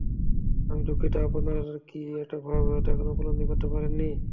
আমি দুঃখিত, আপনারা কি এটার ভয়াবহতা এখনও উপলদ্ধি করতে পারেননি?